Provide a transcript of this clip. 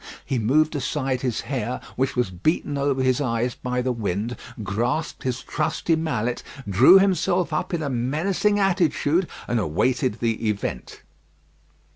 He moved aside his hair, which was beaten over his eyes by the wind, grasped his trusty mallet, drew himself up in a menacing attitude, and awaited the event.